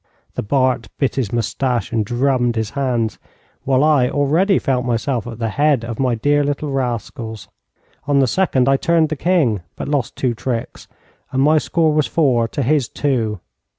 The Bart bit his moustache and drummed his hands, while I already felt myself at the head of my dear little rascals. On the second, I turned the king, but lost two tricks and my score was four to his two.